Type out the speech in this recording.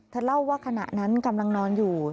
เล่าว่าขณะนั้นกำลังนอนอยู่